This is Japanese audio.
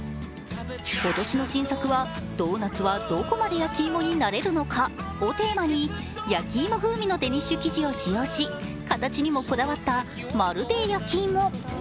今年の新作は「ドーナツはどこまで焼きいもになれるのか？」をテーマに焼きいも風味のデニッシュ生地を使用し形にもこだわった、まるで焼きいも。